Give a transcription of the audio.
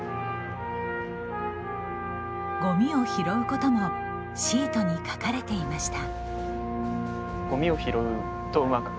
ごみを拾うこともシートに書かれていました。